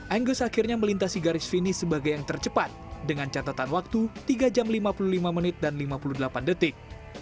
angus akhirnya melintasi garis finish sebagai yang tercepat dengan catatan waktu tiga jam lima puluh lima menit dan lima puluh delapan detik